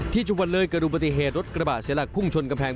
ที่จุบันเลยเกิดอุปติเหตุรถกระบะเสียหลักพุ่งชนกระแพง